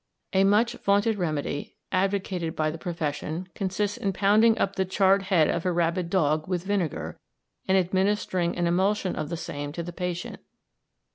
A much vaunted remedy advocated by the profession consists in pounding up the charred head of a rabid dog with vinegar, and administering an emulsion of the same to the patient.